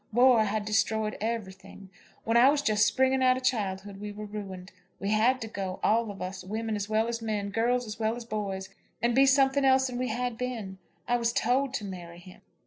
War had destroyed everything. When I was just springing out of childhood, we were ruined. We had to go, all of us; women as well as men, girls as well as boys; and be something else than we had been. I was told to marry him."